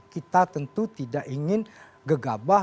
kita tentu tidak ingin gegabah